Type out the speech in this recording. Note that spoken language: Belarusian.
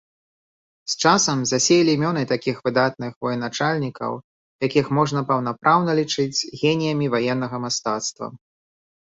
З часам засеялі імёны такіх выдатных военачальнікаў, якіх можна паўнапраўна лічыць геніямі ваеннага мастацтва.